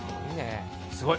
すごい。